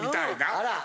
あら！